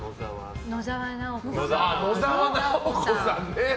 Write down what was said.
野沢直子さん。